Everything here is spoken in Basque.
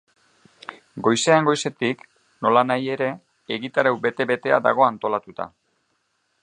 Goizean goizetik, nolanahi ere, egitarau bete-betea dago antolatuta.